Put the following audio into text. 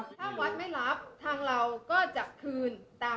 ถ้าวัดไม่รับทางเราก็จะคืนตาม